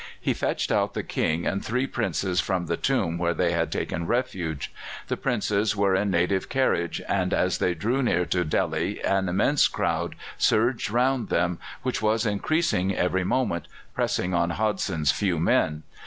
He fetched out the King and three Princes from the tomb where they had taken refuge. The Princes were in a native carriage, and as they drew near to Delhi an immense crowd surged round them, which was increasing every moment, pressing on Hodson's few men.